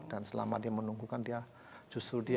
dan selama dia menunggu kan dia justru dia ya